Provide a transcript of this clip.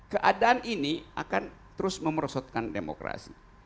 keadaan ini akan terus memerosotkan demokrasi